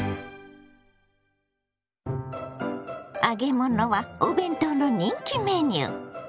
揚げ物はお弁当の人気メニュー。